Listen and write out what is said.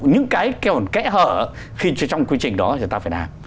những cái kéo kẽ hở khi trong quy trình đó chúng ta phải làm